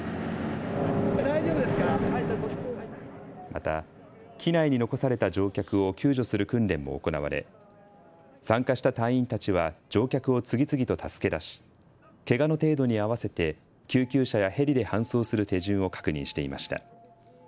また機内に残された乗客を救助する訓練も行われ、参加した隊員たちは乗客を次々と助け出しけがの程度に合わせて救急車やヘリで搬送する手順を確認していました。